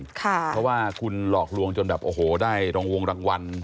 เพราะว่าคุณหลอกลวงจนได้รองวงรางวัล